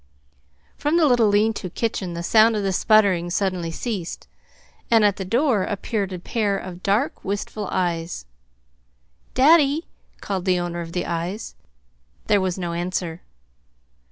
From the little lean to kitchen the sound of the sputtering suddenly ceased, and at the door appeared a pair of dark, wistful eyes. "Daddy!" called the owner of the eyes. There was no answer.